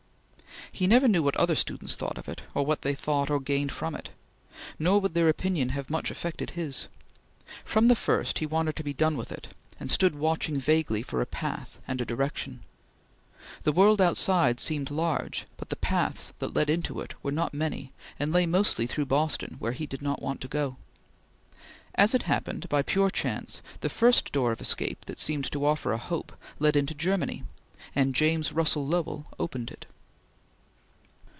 He never knew what other students thought of it, or what they thought they gained from it; nor would their opinion have much affected his. From the first, he wanted to be done with it, and stood watching vaguely for a path and a direction. The world outside seemed large, but the paths that led into it were not many and lay mostly through Boston, where he did not want to go. As it happened, by pure chance, the first door of escape that seemed to offer a hope led into Germany, and James Russell Lowell opened it.